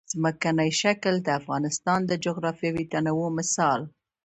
ځمکنی شکل د افغانستان د جغرافیوي تنوع مثال دی.